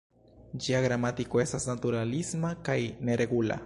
Ĝia gramatiko estas naturalisma kaj neregula.